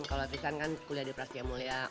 kalau atisan kan kuliah di prostnya mulia